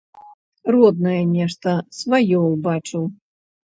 Роднае нешта, сваё ўбачыў.